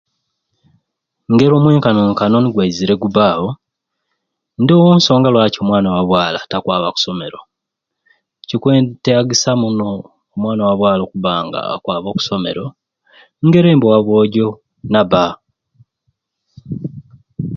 Engeri omwenkanonkano nigwaizire gubbaawo, ndoowo nsonga lwaki omwana wa bwala takwaba ku somero kikwetaagisambe muno omwana wa bwala okubba ng'akwaba oku somero ngerimbe owa bwojo nabba